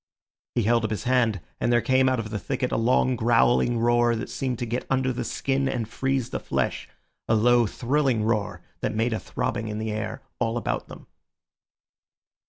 He held up his hand, and there came out of the thicket a long growling roar that seemed to get under the skin and freeze the flesh—a low thrilling roar that made a throbbing in the air all about them.